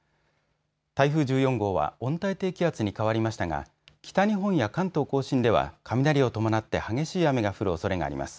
台風１４号は温帯低気圧に変わりましたが北日本や関東甲信では雷を伴って激しい雨が降るおそれがあります。